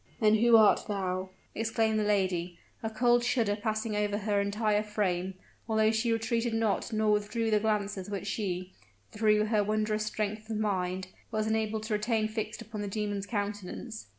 "Then who art thou?" exclaimed the lady, a cold shudder passing over her entire frame, although she retreated not nor withdrew the glances which she, through her wondrous strength of mind, was enabled to retain fixed upon the demon's countenance.